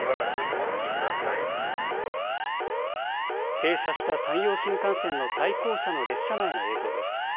停車した山陽新幹線の対向車の列車内の映像です。